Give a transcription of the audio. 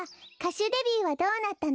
しゅデビューはどうなったの？